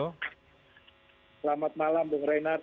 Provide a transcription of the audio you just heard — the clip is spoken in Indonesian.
selamat malam bung reinhardt